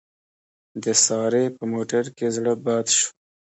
د سارې په موټر کې زړه بد شو.